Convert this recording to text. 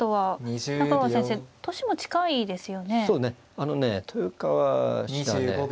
あのね豊川七段はね